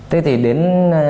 thế thì đến